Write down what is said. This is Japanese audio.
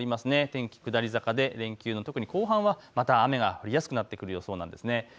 天気下り坂で連休の特に後半はまた雨が降りやすくなってくる予想なんですね。